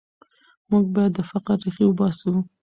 موږ باید د فقر ریښې وباسو.